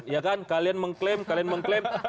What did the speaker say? ya kan kalian mengklaim kalian mengklaim